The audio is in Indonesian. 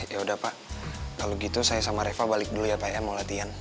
yaudah pak kalau gitu saya sama reva balik dulu ya pak ya mau latihan